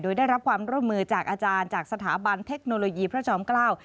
โดยได้รับความร่วมมือจากอาจารย์จากสถาบันเทคโนโลยีพระจอมเกล้า